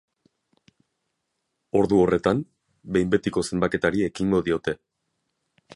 Ordu horretan, behin betiko zenbaketari ekingo diote.